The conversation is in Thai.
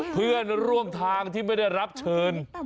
เพื่อนร่วมทางที่ไม่ได้รับเชิญ